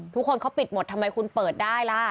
ทุกคนเขาปิดหมดทำไมคุณเปิดได้ล่ะ